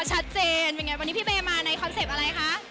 ชัดเจนเป็นไงวันนี้พี่เบมาในคอนเซ็ปต์อะไรคะ